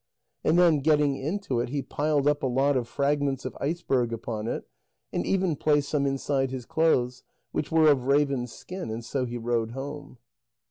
And then, getting into it, he piled up a lot of fragments of iceberg upon it, and even placed some inside his clothes, which were of ravens' skin. And so he rowed home.